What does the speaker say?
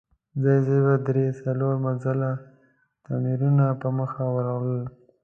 ځای ځای به درې، څلور منزله تاميرونه په مخه ورغلل.